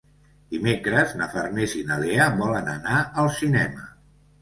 Dimecres na Farners i na Lea volen anar al cinema.